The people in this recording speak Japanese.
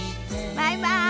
バイバイ。